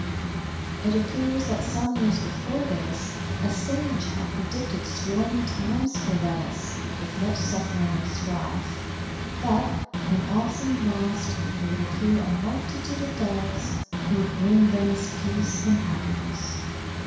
It appears that some years before this a sage had predicted stormy times for Venice, with much suffering and strife, but, when all seemed lost, there would appear a multitude of Doves, who would bring Venice peace and happiness.